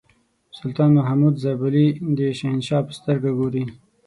سلطان محمود زابلي د شهنشاه په سترګه ګوري.